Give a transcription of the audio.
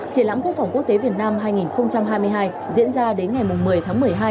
triển lãm quốc phòng quốc tế việt nam hai nghìn hai mươi hai diễn ra đến ngày một mươi tháng một mươi hai